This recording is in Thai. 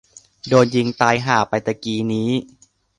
โดนยิงตายห่าไปตะกี้นี้